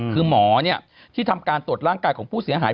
คือหมอที่ทำการตรวจร่างกายของผู้เสียหาย